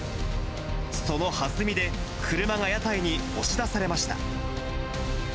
そのはずみで車が屋台に押し出されました。